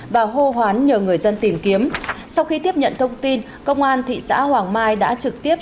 và hô hoán nhờ người dân tìm kiếm sau khi tiếp nhận thông tin công an thị xã hoàng mai đã trực tiếp